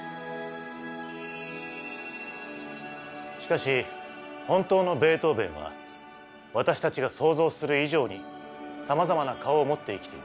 しかし本当のベートーヴェンは私たちが想像する以上にさまざまな顔を持って生きていました。